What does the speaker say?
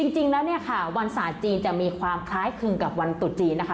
จริงแล้วเนี่ยค่ะวันศาสตร์จีนจะมีความคล้ายคลึงกับวันตุจีนนะคะ